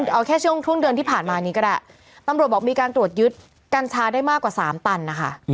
เอาแค่ช่วงเดือนที่ผ่านมานี้ก็ได้ตำรวจบอกมีการตรวจยึดกัญชาได้มากกว่า๓ตันนะคะ